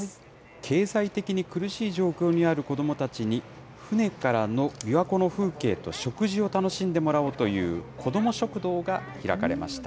経済的に苦しい状況にある子どもたちに、船からのびわ湖の風景と食事を楽しんでもらおうという、子ども食堂が開かれました。